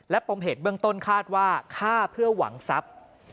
ปมเหตุเบื้องต้นคาดว่าฆ่าเพื่อหวังทรัพย์